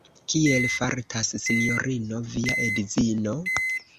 Kiel fartas Sinjorino via edzino?